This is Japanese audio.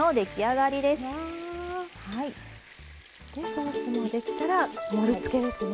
ソースもできたら盛りつけですね。